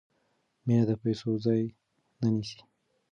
مینه د پیسو ځای نه نیسي.